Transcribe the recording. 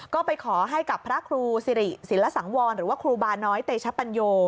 ก็ไปขอให้กับพระครูสิริศิลสังวรหรือว่าครูบาน้อยเตชปัญโย